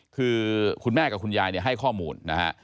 คือคุณแม่กับคุณยายให้ข้อมูลนะครับ